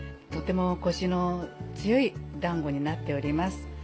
とてもコシの強い団子になっております。